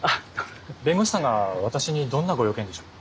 弁護士さんが私にどんなご用件でしょう？